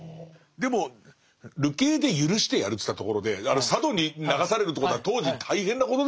でも流刑で許してやるっていったところで佐渡に流されるってことは当時大変なことですよね恐らく。